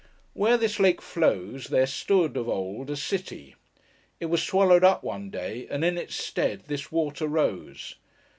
Where this lake flows, there stood, of old, a city. It was swallowed up one day; and in its stead, this water rose.